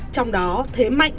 trong đó thế mạng